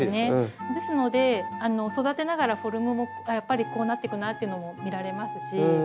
ですので育てながらフォルムもやっぱりこうなっていくなあっていうのも見られますし。